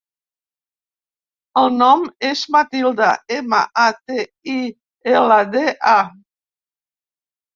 El nom és Matilda: ema, a, te, i, ela, de, a.